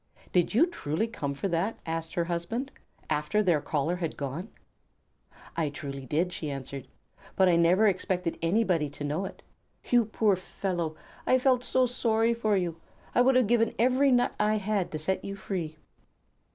"Did you truly come for that?" asked her husband, after their caller had gone. "I truly did," she answered, "but I never expected anybody to know it. You poor fellow! I felt so sorry for you. I would have given every nut I had to set you free."